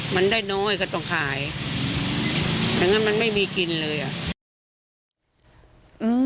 มันได้น้อยก็ต้องขายอย่างนั้นมันไม่มีกินเลยอ่ะ